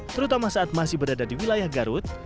terutama saat masih berada di wilayah garut